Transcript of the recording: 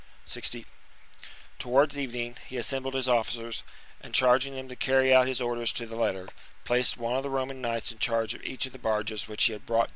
60. Towards evening he assembled his officers, and, charging them to carry out his orders to the letter, placed one of the Roman knights in charge of each of the barges which he had brought down 1 See C.